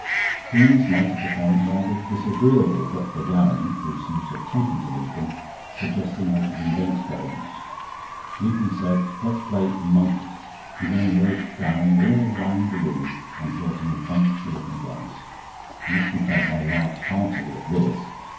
Things might have become rather disagreeable but for Gowing (who seems to have taken to Lupin) suggesting they should invent games. Lupin said: "Let's play 'monkeys.'" He then led Gowing all round the room, and brought him in front of the looking glass. I must confess I laughed heartily at this.